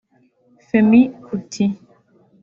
Femi kuti